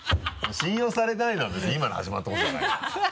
信用されてないのは別に今に始まったことじゃないよ。